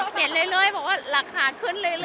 เปลี่ยนเรื่อยเพราะว่าราคาขึ้นเรื่อยเลย